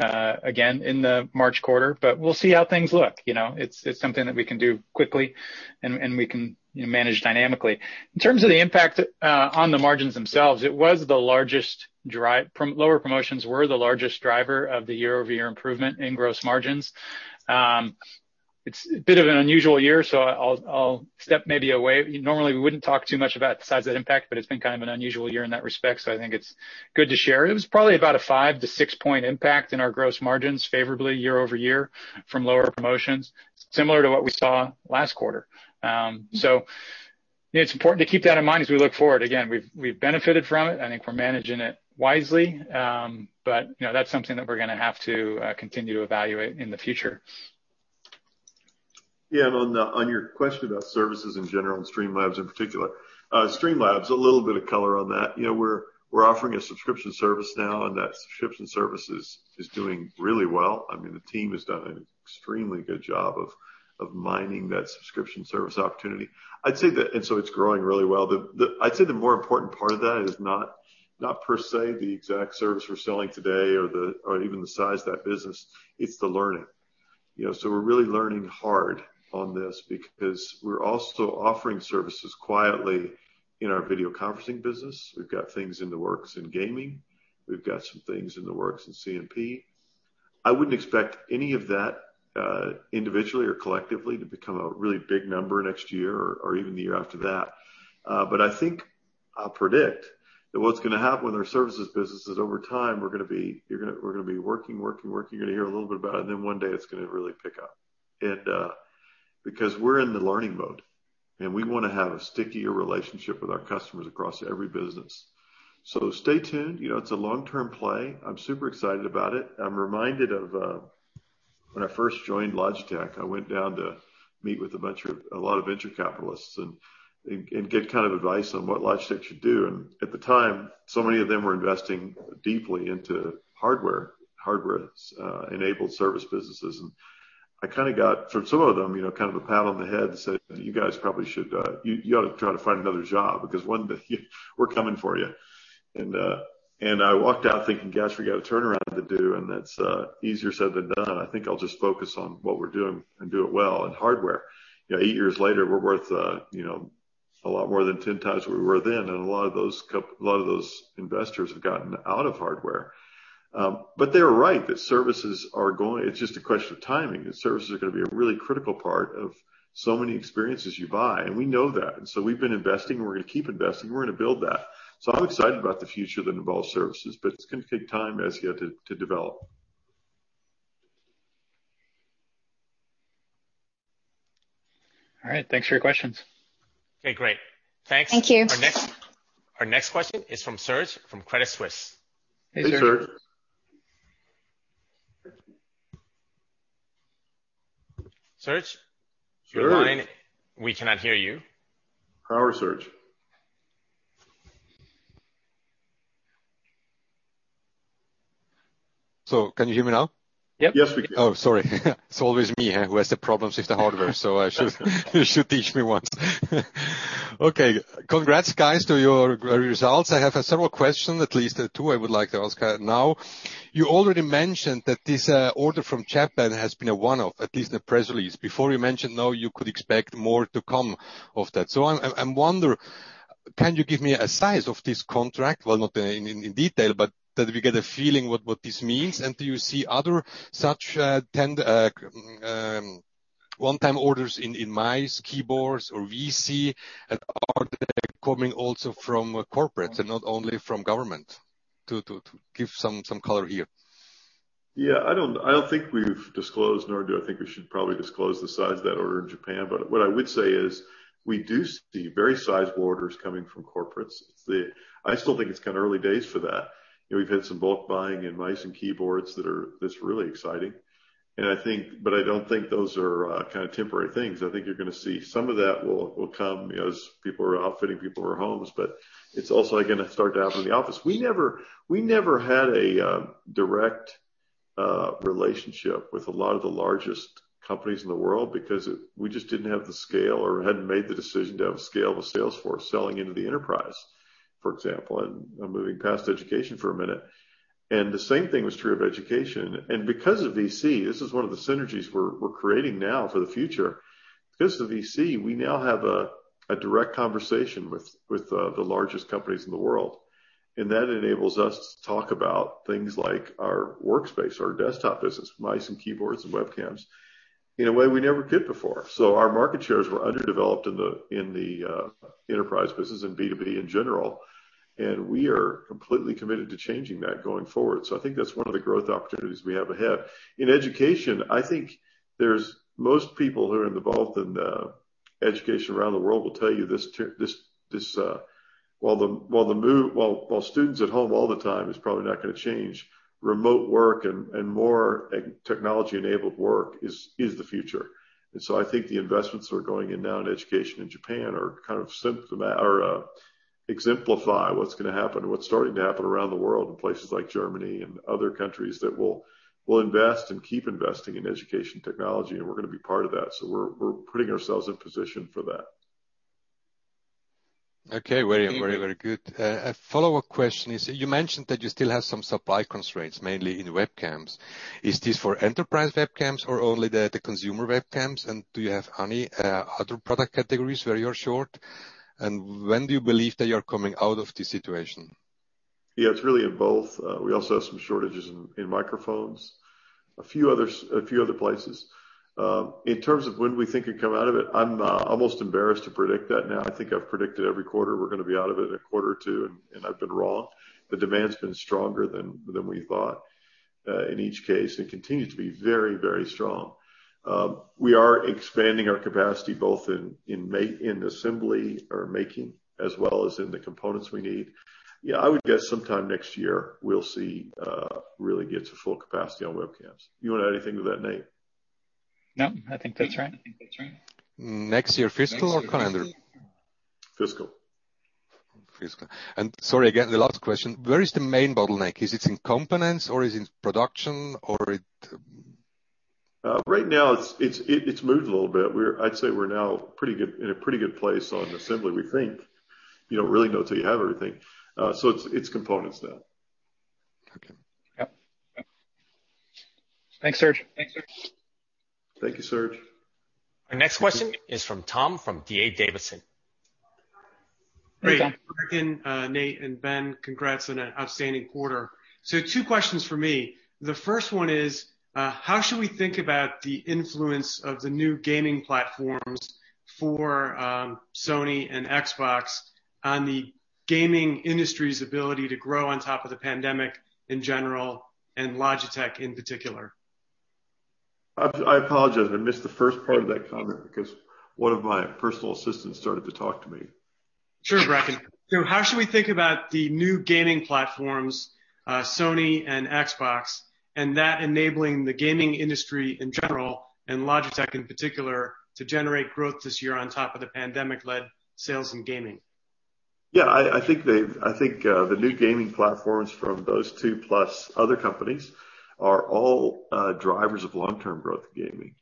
[SPEAKER 3] again in the March quarter. We'll see how things look. It's something that we can do quickly, and we can manage dynamically. In terms of the impact on the margins themselves, lower promotions were the largest driver of the year-over-year improvement in gross margins. It's a bit of an unusual year. I'll step maybe away. Normally, we wouldn't talk too much about the size of that impact, but it's been kind of an unusual year in that respect. I think it's good to share. It was probably about a five- to six-point impact in our gross margins favorably year-over-year from lower promotions, similar to what we saw last quarter. It's important to keep that in mind as we look forward. Again, we've benefited from it. I think we're managing it wisely. That's something that we're going to have to continue to evaluate in the future.
[SPEAKER 2] Yeah, on your question about services in general and Streamlabs in particular. Streamlabs, a little bit of color on that. We're offering a subscription service now, and that subscription service is doing really well. The team has done an extremely good job of mining that subscription service opportunity. It's growing really well. I'd say the more important part of that is not per se the exact service we're selling today or even the size of that business. It's the learning. We're really learning hard on this because we're also offering services quietly in our video conferencing business. We've got things in the works in gaming. We've got some things in the works in CMP. I wouldn't expect any of that, individually or collectively, to become a really big number next year or even the year after that. I think I'll predict that what's going to happen with our services businesses over time, we're going to be working, working. You're going to hear a little bit about it, and then one day it's going to really pick up. Because we're in the learning mode, and we want to have a stickier relationship with our customers across every business. Stay tuned. It's a long-term play. I'm super excited about it. I'm reminded of when I first joined Logitech, I went down to meet with a lot of venture capitalists and get kind of advice on what Logitech should do. At the time, so many of them were investing deeply into hardware-enabled service businesses. I kind of got, from some of them, kind of a pat on the head that said, "You ought to try to find another job, because one day, we're coming for you." I walked out thinking, "Gosh, we got a turnaround to do, and that's easier said than done. I think I'll just focus on what we're doing and do it well in hardware." Eight years later, we're worth a lot more than 10 times what we were then, and a lot of those investors have gotten out of hardware. They're right that it's just a question of timing, that services are going to be a really critical part of so many experiences you buy, and we know that. We've been investing, and we're going to keep investing. We're going to build that. I'm excited about the future that involves services, but it's going to take time, as you said, to develop.
[SPEAKER 3] All right. Thanks for your questions.
[SPEAKER 1] Okay, great. Thanks.
[SPEAKER 8] Thank you.
[SPEAKER 1] Our next question is from Serge, from Credit Suisse.
[SPEAKER 2] Hey, Serge.
[SPEAKER 3] Hey, Serge.
[SPEAKER 1] Serge?
[SPEAKER 2] Serge.
[SPEAKER 1] Do you mind? We cannot hear you.
[SPEAKER 2] Come on, Serge.
[SPEAKER 9] Can you hear me now?
[SPEAKER 1] Yep.
[SPEAKER 2] Yes, we can.
[SPEAKER 9] Oh, sorry. It's always me, huh, who has the problems with the hardware, so you should teach me once. Okay. Congrats guys to your results. I have several questions, at least two I would like to ask now. You already mentioned that this order from Japan has been a one-off, at least in the press release. Before, you mentioned now you could expect more to come of that. I wonder, can you give me a size of this contract? Well, not in detail, but that we get a feeling what this means. Do you see other such one-time orders in mice, keyboards, or VC? Are they coming also from corporates and not only from government, to give some color here?
[SPEAKER 2] Yeah, I don't think we've disclosed, nor do I think we should probably disclose the size of that order in Japan. What I would say is we do see very sizable orders coming from corporates. I still think it's kind of early days for that. We've had some bulk buying in mice and keyboards that's really exciting. I don't think those are kind of temporary things. I think you're going to see some of that will come as people are outfitting people for homes, but it's also going to start to happen in the office. We never had a direct relationship with a lot of the largest companies in the world because we just didn't have the scale or hadn't made the decision to have a scale of a sales force selling into the enterprise, for example, and I'm moving past education for a minute. The same thing was true of education. Because of VC, this is one of the synergies we're creating now for the future. Because of VC, we now have a direct conversation with the largest companies in the world, and that enables us to talk about things like our workspace, our desktop business, mice and keyboards, and webcams, in a way we never did before. Our market shares were underdeveloped in the enterprise business and B2B in general, and we are completely committed to changing that going forward. I think that's one of the growth opportunities we have ahead. In education, I think most people who are involved in education around the world will tell you this, while students at home all the time is probably not going to change, remote work and more technology-enabled work is the future. I think the investments that are going in now in education in Japan kind of exemplify what's going to happen, what's starting to happen around the world in places like Germany and other countries that will invest and keep investing in education technology, and we're going to be part of that. We're putting ourselves in position for that.
[SPEAKER 9] Okay. Very good. A follow-up question is, you mentioned that you still have some supply constraints, mainly in webcams. Is this for enterprise webcams or only the consumer webcams? Do you have any other product categories where you're short? When do you believe that you're coming out of this situation?
[SPEAKER 2] Yeah, it's really in both. We also have some shortages in microphones, a few other places. In terms of when we think we come out of it, I'm almost embarrassed to predict that now. I think I've predicted every quarter we're going to be out of it in a quarter or two, and I've been wrong. The demand's been stronger than we thought in each case and continues to be very strong. We are expanding our capacity both in assembly or making, as well as in the components we need. Yeah, I would guess sometime next year, we'll see, really get to full capacity on webcams. You want to add anything to that, Nate?
[SPEAKER 3] No, I think that's right.
[SPEAKER 9] Next year fiscal or calendar?
[SPEAKER 2] Fiscal.
[SPEAKER 9] Fiscal. Sorry again, the last question. Where is the main bottleneck? Is it in components, or is it in production or IT?
[SPEAKER 2] Right now, it's moved a little bit. I'd say we're now in a pretty good place on assembly, we think. You don't really know till you have everything. It's components now.
[SPEAKER 9] Okay.
[SPEAKER 3] Yep. Thanks, Serge.
[SPEAKER 2] Thank you, Serge.
[SPEAKER 1] Our next question is from Tom, from D.A. Davidson.
[SPEAKER 3] Hey, Tom.
[SPEAKER 10] Great. Bracken, Nate, and Ben, congrats on an outstanding quarter. Two questions from me. The first one is, how should we think about the influence of the new gaming platforms for Sony and Xbox on the gaming industry's ability to grow on top of the pandemic in general and Logitech in particular?
[SPEAKER 2] I apologize. I missed the first part of that comment because one of my personal assistants started to talk to me.
[SPEAKER 10] Sure, Bracken. How should we think about the new gaming platforms, Sony and Xbox, and that enabling the gaming industry in general and Logitech in particular to generate growth this year on top of the pandemic-led sales in gaming?
[SPEAKER 2] Yeah, I think the new gaming platforms from those two plus other companies are all drivers of long-term growth gaming.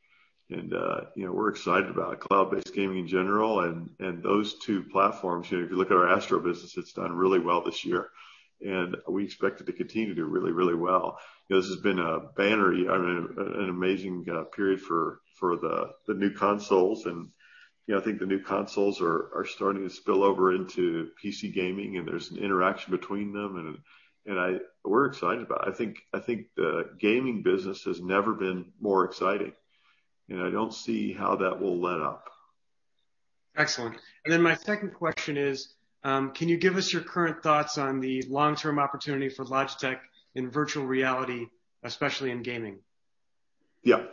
[SPEAKER 2] We're excited about cloud-based gaming in general and those two platforms. If you look at our ASTRO business, it's done really well this year, and we expect it to continue to do really well. This has been a banner year, an amazing period for the new consoles, and I think the new consoles are starting to spill over into PC gaming, and there's an interaction between them, and we're excited about it. I think the gaming business has never been more exciting, and I don't see how that will let up.
[SPEAKER 10] Excellent. My second question is, can you give us your current thoughts on the long-term opportunity for Logitech in virtual reality, especially in gaming?
[SPEAKER 2] Yeah.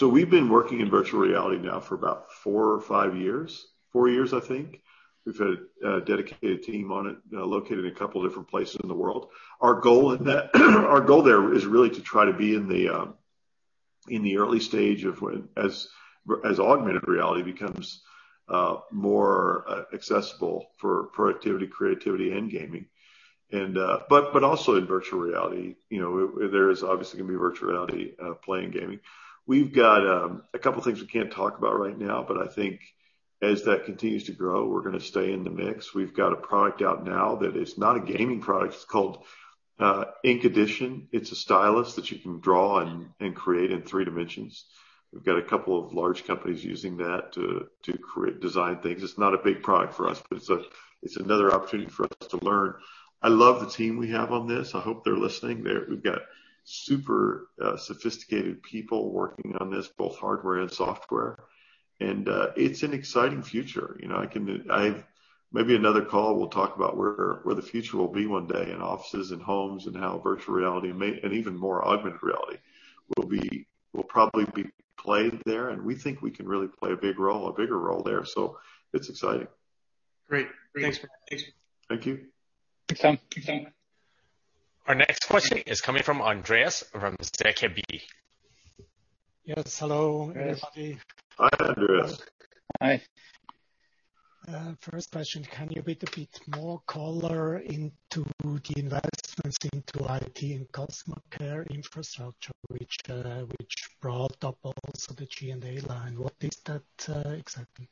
[SPEAKER 2] We've been working in virtual reality now for about four or five years. Four years, I think. We've had a dedicated team on it, located in a couple of different places in the world. Our goal there is really to try to be in the early stage as augmented reality becomes more accessible for productivity, creativity, and gaming. Also in virtual reality. There is obviously going to be virtual reality play in gaming. We've got a couple of things we can't talk about right now, but I think as that continues to grow, we're going to stay in the mix. We've got a product out now that is not a gaming product. It's called Ink Edition. It's a stylus that you can draw on and create in three dimensions. We've got a couple of large companies using that to design things. It's not a big product for us, but it's another opportunity for us to learn. I love the team we have on this. I hope they're listening. We've got super sophisticated people working on this, both hardware and software, and it's an exciting future. Maybe another call, we'll talk about where the future will be one day in offices and homes, and how virtual reality, and even more augmented reality, will probably be played there, and we think we can really play a bigger role there. It's exciting.
[SPEAKER 10] Great. Thanks, Bracken.
[SPEAKER 2] Thank you.
[SPEAKER 3] Thanks, Tom.
[SPEAKER 1] Our next question is coming from Andreas from ZKB.
[SPEAKER 11] Yes. Hello, everybody.
[SPEAKER 2] Hi, Andreas.
[SPEAKER 3] Hi.
[SPEAKER 11] First question, can you put a bit more color into the investments into IT and customer care infrastructure, which brought up also the G&A line. What is that exactly?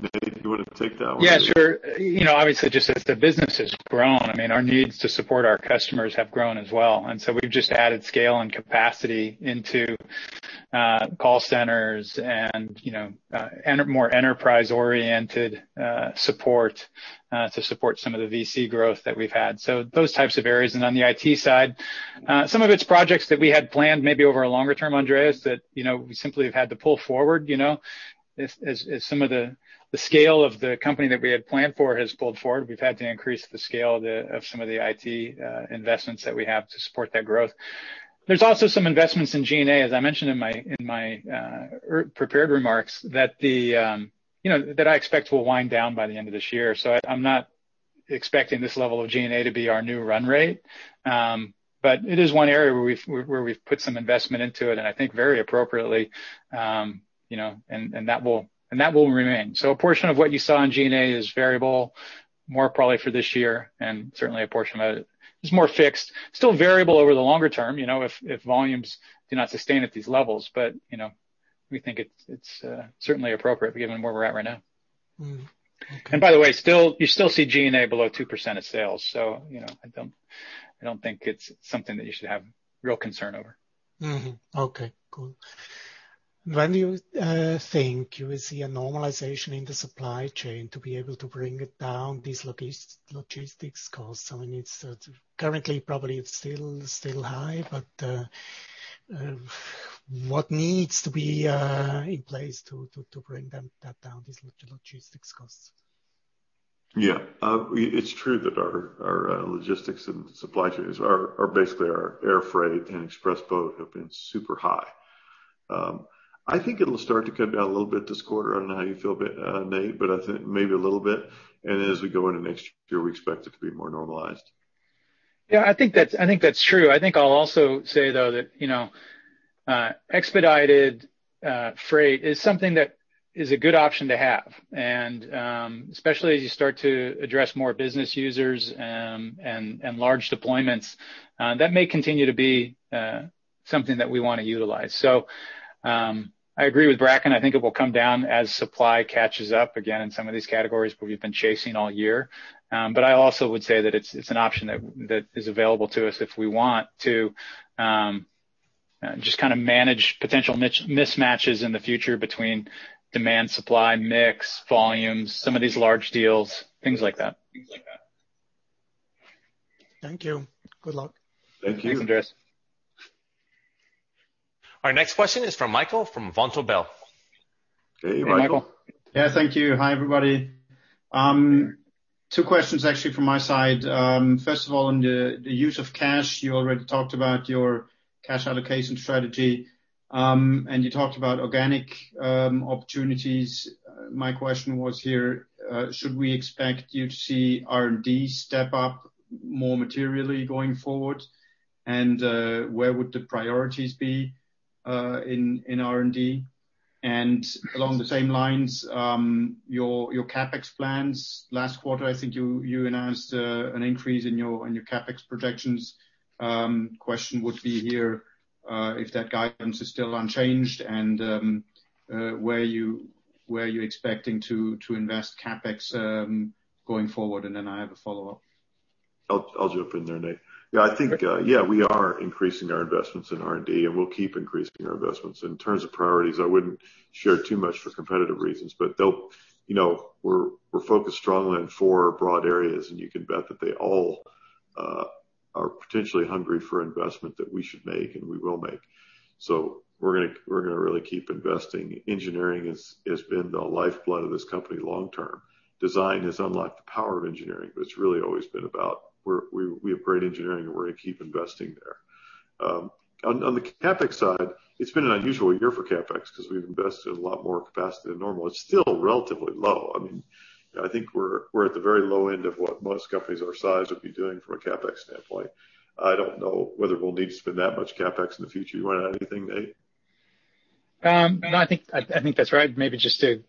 [SPEAKER 2] Nate, do you want to take that one?
[SPEAKER 3] Yeah, sure. Obviously, just as the business has grown, our needs to support our customers have grown as well. And so we've just added scale and capacity into call centers and more enterprise-oriented support to support some of the VC growth that we've had. Those types of areas. On the IT side, some of it's projects that we had planned maybe over a longer term, Andreas, that we simply have had to pull forward. As some of the scale of the company that we had planned for has pulled forward, we've had to increase the scale of some of the IT investments that we have to support that growth. There's also some investments in G&A, as I mentioned in my prepared remarks, that I expect will wind down by the end of this year. I'm not expecting this level of G&A to be our new run rate. It is one area where we've put some investment into it, and I think very appropriately, and that will remain. A portion of what you saw in G&A is variable, more probably for this year, and certainly a portion of it is more fixed. Still variable over the longer term, if volumes do not sustain at these levels. We think it's certainly appropriate given where we're at right now. By the way, you still see G&A below 2% of sales. I don't think it's something that you should have real concern over.
[SPEAKER 11] Okay, cool. When do you think you will see a normalization in the supply chain to be able to bring it down, these logistics costs? I mean, it's currently probably still high, but what needs to be in place to bring that down, these logistics costs?
[SPEAKER 2] Yeah. It's true that our logistics and supply chains are basically our air freight and express boat have been super high. I think it'll start to come down a little bit this quarter. I don't know how you feel, Nate, but I think maybe a little bit. As we go into next year, we expect it to be more normalized.
[SPEAKER 3] Yeah, I think that's true. I think I'll also say, though, that expedited freight is something that is a good option to have, and especially as you start to address more business users and large deployments, that may continue to be something that we want to utilize. I agree with Bracken. I think it will come down as supply catches up again in some of these categories where we've been chasing all year. I also would say that it's an option that is available to us if we want to just kind of manage potential mismatches in the future between demand, supply, mix, volumes, some of these large deals, things like that.
[SPEAKER 11] Thank you. Good luck.
[SPEAKER 2] Thank you.
[SPEAKER 3] Thanks, Andreas.
[SPEAKER 1] Our next question is from Michael from Vontobel.
[SPEAKER 2] Okay, Michael.
[SPEAKER 3] Hey, Michael.
[SPEAKER 12] Yeah, thank you. Hi, everybody. Two questions actually from my side. First of all, on the use of cash, you already talked about your cash allocation strategy, and you talked about organic opportunities. My question was here, should we expect you to see R&D step up more materially going forward? Where would the priorities be in R&D? Along the same lines, your CapEx plans. Last quarter, I think you announced an increase in your CapEx projections. Question would be here if that guidance is still unchanged, and where are you expecting to invest CapEx going forward? Then I have a follow-up.
[SPEAKER 2] I'll jump in there, Nate. Yeah, I think, yeah, we are increasing our investments in R&D, and we'll keep increasing our investments. In terms of priorities, I wouldn't share too much for competitive reasons, but we're focused strongly on four broad areas, and you can bet that they all are potentially hungry for investment that we should make and we will make. We're going to really keep investing. Engineering has been the lifeblood of this company long term. Design has unlocked the power of engineering, but it's really always been about we have great engineering and we're going to keep investing there. On the CapEx side, it's been an unusual year for CapEx because we've invested a lot more capacity than normal. It's still relatively low. I think we're at the very low end of what most companies our size would be doing from a CapEx standpoint. I don't know whether we'll need to spend that much CapEx in the future. You want to add anything, Nate?
[SPEAKER 3] No, I think that's right. Maybe just to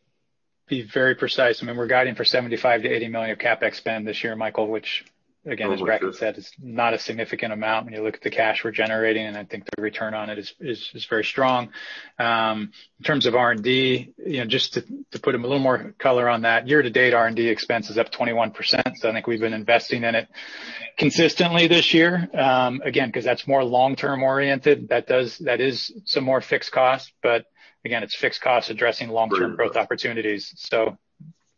[SPEAKER 3] be very precise, we're guiding for $75 million-$80 million of CapEx spend this year, Michael, which again, as Bracken said, is not a significant amount when you look at the cash we're generating, and I think the return on it is very strong. In terms of R&D, just to put a little more color on that, year to date, R&D expense is up 21%, so I think we've been investing in it consistently this year. Again, because that's more long-term oriented. That is some more fixed costs, but again, it's fixed costs addressing long-term growth opportunities.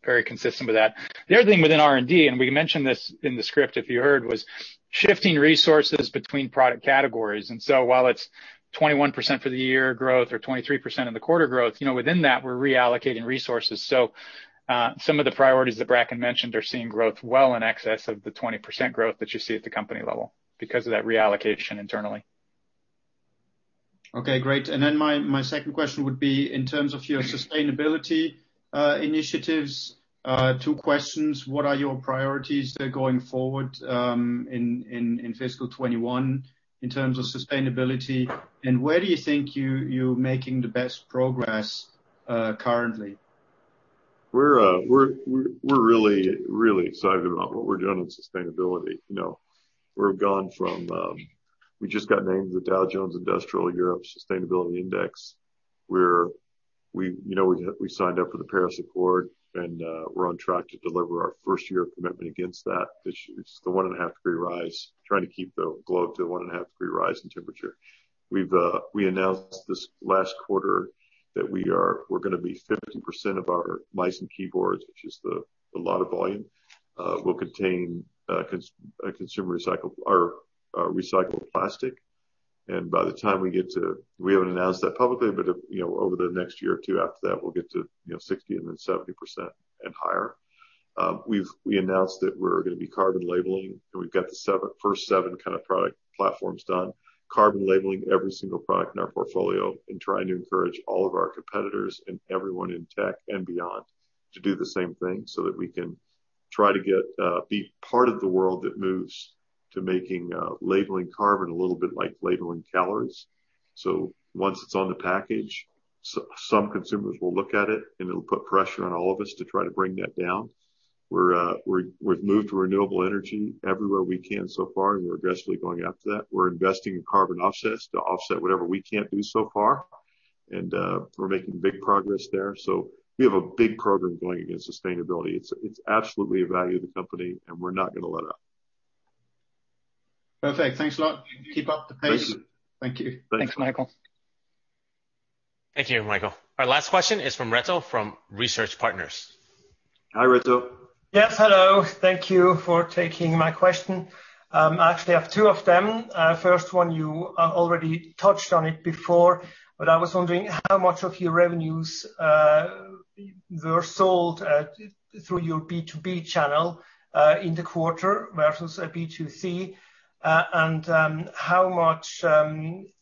[SPEAKER 3] Very consistent with that. The other thing within R&D, and we mentioned this in the script, if you heard, was shifting resources between product categories. While it's 21% for the year growth or 23% of the quarter growth, within that, we're reallocating resources. Some of the priorities that Bracken mentioned are seeing growth well in excess of the 20% growth that you see at the company level because of that reallocation internally.
[SPEAKER 12] Okay, great. Then my second question would be in terms of your sustainability initiatives. Two questions. What are your priorities there going forward in fiscal 2021 in terms of sustainability, and where do you think you're making the best progress currently?
[SPEAKER 2] We're really excited about what we're doing on sustainability. We just got named the Dow Jones Sustainability Europe Index. We signed up for the Paris Agreement, we're on track to deliver our first year of commitment against that. It's the 1.5 degree rise, trying to keep the globe to a 1.5 degree rise in temperature. We announced this last quarter that we're going to be 50% of our mice and keyboards, which is a lot of volume, will contain recycled plastic. By the time we get to, we haven't announced that publicly, but over the next year or two after that, we'll get to 60% and then 70% and higher. We announced that we're going to be carbon labeling, we've got the first seven kind of product platforms done. Carbon labeling every single product in our portfolio and trying to encourage all of our competitors and everyone in tech and beyond to do the same thing so that we can try to be part of the world that moves to making labeling carbon a little bit like labeling calories. Once it's on the package, some consumers will look at it, and it'll put pressure on all of us to try to bring that down. We've moved to renewable energy everywhere we can so far, and we're aggressively going after that. We're investing in carbon offsets to offset whatever we can't do so far. We're making big progress there. We have a big program going against sustainability. It's absolutely a value to the company, and we're not going to let up.
[SPEAKER 12] Perfect. Thanks a lot. Keep up the pace.
[SPEAKER 2] Thanks.
[SPEAKER 12] Thank you.
[SPEAKER 3] Thanks, Michael.
[SPEAKER 1] Thank you, Michael. Our last question is from Reto from Research Partners.
[SPEAKER 2] Hi, Reto.
[SPEAKER 13] Yes, hello. Thank you for taking my question. I actually have two of them. First one, you already touched on it before, but I was wondering how much of your revenues were sold through your B2B channel, in the quarter versus B2C. How much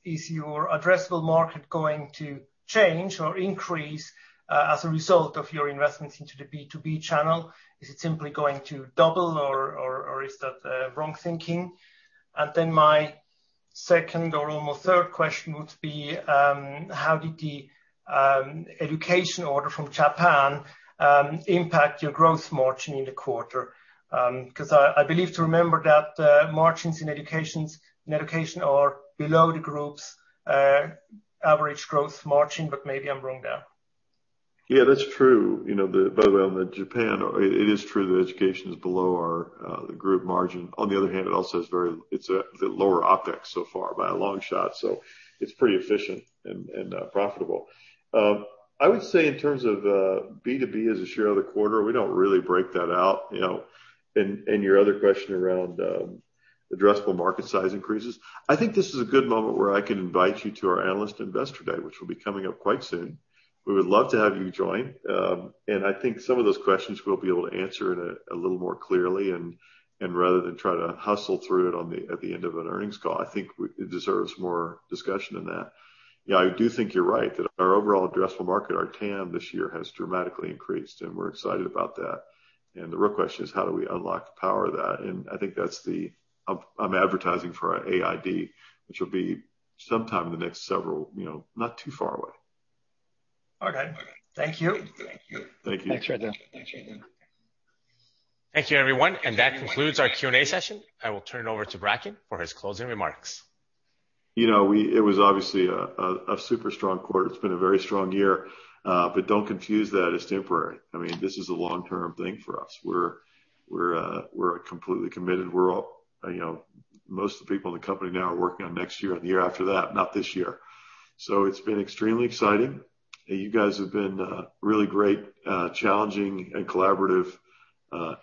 [SPEAKER 13] is your addressable market going to change or increase as a result of your investments into the B2B channel? Is it simply going to double, or is that wrong thinking? My second or almost third question would be, how did the education order from Japan impact your gross margin in the quarter? I believe to remember that margins in education are below the group's average gross margin, but maybe I'm wrong there.
[SPEAKER 2] Yeah, that's true. Both on the Japan, it is true that education is below the group margin. On the other hand, it's the lower OpEx so far by a long shot, so it's pretty efficient and profitable. I would say in terms of B2B as a share of the quarter, we don't really break that out. Your other question around addressable market size increases, I think this is a good moment where I can invite you to our Analyst and Investor Day, which will be coming up quite soon. We would love to have you join. I think some of those questions we'll be able to answer in a little more clearly and rather than try to hustle through it at the end of an earnings call. I think it deserves more discussion than that. Yeah, I do think you're right, that our overall addressable market, our TAM, this year has dramatically increased, and we're excited about that, and the real question is how do we unlock the power of that? I'm advertising for our AID, which will be sometime in the next several, not too far away.
[SPEAKER 13] Okay. Thank you.
[SPEAKER 2] Thank you.
[SPEAKER 3] Thanks, Reto.
[SPEAKER 1] Thank you, everyone, and that concludes our Q&A session. I will turn it over to Bracken for his closing remarks.
[SPEAKER 2] It was obviously a super strong quarter. It's been a very strong year. Don't confuse that as temporary. This is a long-term thing for us. We're completely committed. Most of the people in the company now are working on next year and the year after that, not this year. It's been extremely exciting. You guys have been really great, challenging, and collaborative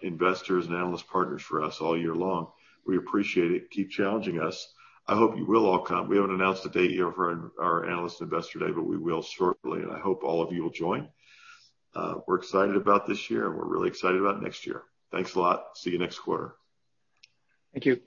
[SPEAKER 2] investors and analyst partners for us all year long. We appreciate it. Keep challenging us. I hope you will all come. We haven't announced a date yet for our Analyst and Investor Day, but we will shortly, and I hope all of you will join. We're excited about this year, and we're really excited about next year. Thanks a lot. See you next quarter.
[SPEAKER 3] Thank you.